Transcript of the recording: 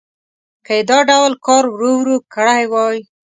که یې دا ډول کار ورو ورو کړی وای.